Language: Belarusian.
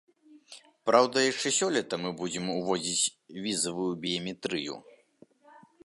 Праўда, яшчэ сёлета мы будзем уводзіць візавую біяметрыю.